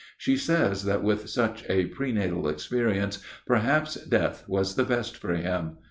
She says that with such a prenatal experience perhaps death was the best for him.